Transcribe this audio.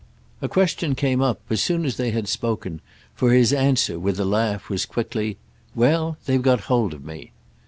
A question came up as soon as they had spoken, for his answer, with a laugh, was quickly: "Well, they've got hold of me!"